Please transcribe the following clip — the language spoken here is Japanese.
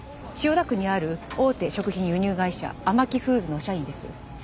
千代田区にある大手食品輸入会社ＡＭＡＫＩフーズの社員です。